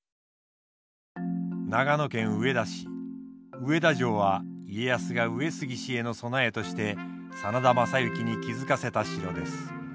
上田城は家康が上杉氏への備えとして真田昌幸に築かせた城です。